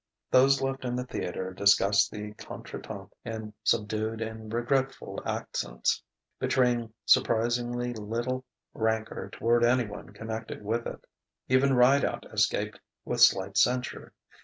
Those left in the theatre discussed the contretemps in subdued and regretful accents, betraying surprisingly little rancour toward anyone connected with it. Even Rideout escaped with slight censure.